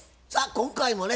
今回もね